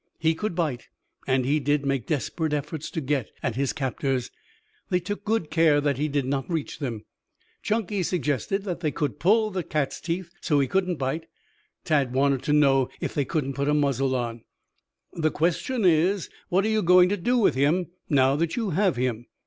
He could bite and he did make desperate efforts to get at his captors. They took good care that he did not reach them. Chunky suggested that they pull the cat's teeth, so he couldn't bite. Tad wanted to know if they couldn't put a muzzle on. "The question is what are you going to do with him, now that you have him?"